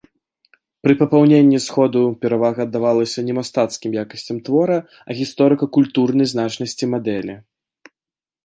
Пры папаўненні сходу перавага аддавалася не мастацкім якасцям твора, а гісторыка-культурнай значнасці мадэлі.